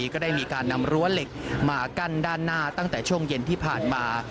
ก็ได้มีการนำรั้วเหล็กมากั้นด้านหน้าตั้งแต่ช่วงเย็นที่ผ่านมา